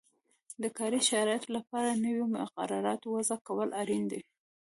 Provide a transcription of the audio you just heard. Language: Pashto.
د کاري شرایطو لپاره نویو مقرراتو وضعه کول اړین دي.